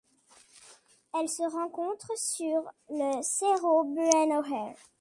Elle se rencontre sur le Cerro Buenos Aires.